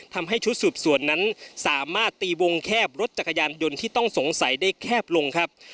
ทำให้ชุดสืบสวนนั้นสามารถตีวงแคบรถจักรยานยนต์ที่ต้องสงสัยได้แคบลงครับ